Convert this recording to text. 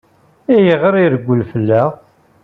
Ayɣer i ireggel fell-aɣ?